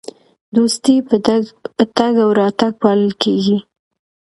دوستي په تګ او راتګ پالل کیږي.